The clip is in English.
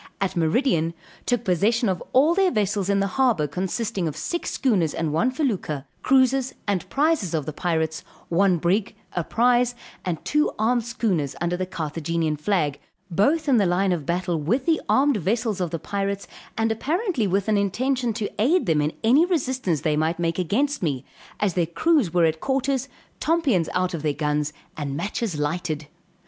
At meridian, took possession of all their vessels in the harbor consisting of six schooners and one felucca, cruisers, and prizes of the pirates, one brig, a prize, and two armed schooners under the Carthagenian flag, both in the line of battle, with the armed vessels of the pirates, and apparently with an intention to aid them in any resistance they might make against me, as their crews were at quarters, tompions out of their guns, and matches lighted.